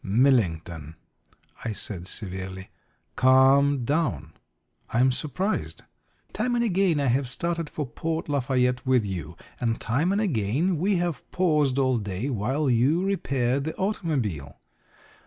"Millington," I said severely, "calm down! I am surprised. Time and again I have started for Port Lafayette with you, and time and again we have paused all day while you repaired the automobile.